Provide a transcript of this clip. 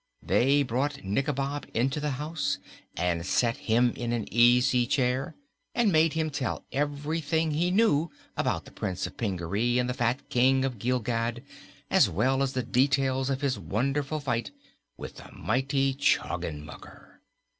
They brought Nikobob into the house and set him in an easy chair and made him tell everything he knew about the Prince of Pingaree and the fat King of Gilgad, as well as the details of his wonderful fight with mighty Choggenmugger.